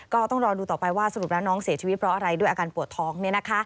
ก็ต้องรอดูต่อไปว่าสรุปแล้วน้องเสียชีวิตเพราะอะไรด้วยอาการปวดท้อง